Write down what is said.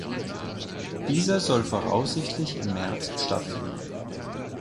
Dieser soll voraussichtlich im März stattfinden.